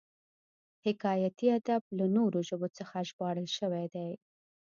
حکایتي ادب له نورو ژبو څخه ژباړل شوی دی